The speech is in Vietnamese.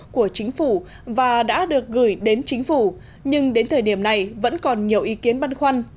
của chính phủ và đã được gửi đến chính phủ nhưng đến thời điểm này vẫn còn nhiều ý kiến băn khoăn